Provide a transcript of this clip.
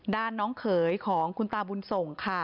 น้องเขยของคุณตาบุญส่งค่ะ